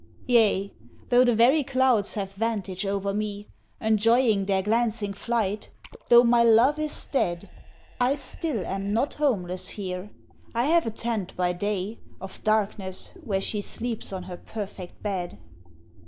Yea, though the very clouds have vantage over me, Enjoying their glancing flight, though my love is dead, I still am not homeless here, I've a tent by day Of darkness where she sleeps on her perfect bed.